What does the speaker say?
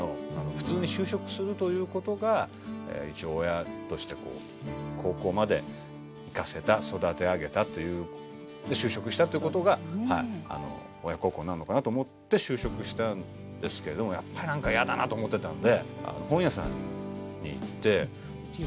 普通に就職するという事が一応親として高校まで行かせた育て上げたという就職したという事が親孝行になるのかなと思って就職したんですけれどもやっぱりなんか嫌だなと思ってたんで。